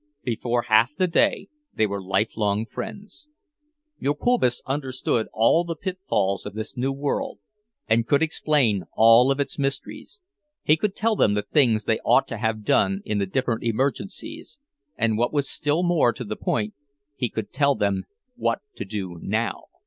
Before half the day they were lifelong friends. Jokubas understood all the pitfalls of this new world, and could explain all of its mysteries; he could tell them the things they ought to have done in the different emergencies—and what was still more to the point, he could tell them what to do now.